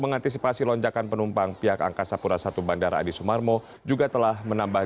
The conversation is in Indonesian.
mengantisipasi lonjakan penumpang pihak angkasa pura i bandara adi sumarmo juga telah menambah